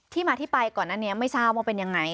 ที่มาที่ไปก่อนหน้านี้ไม่ทราบว่าเป็นยังไง